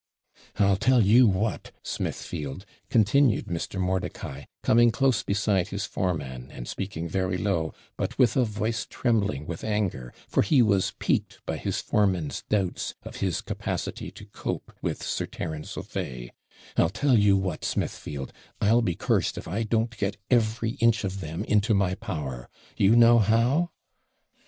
'I'll tell you what, Smithfield,' continued Mr. Mordicai, coming close beside his foreman, and speaking very low, but with a voice trembling with anger, for he was piqued by his foreman's doubts of his capacity to cope with Sir Terence O'Fay; 'I'll tell you what, Smithfield, I'll be cursed, if I don't get every inch of them into my power. You know how?'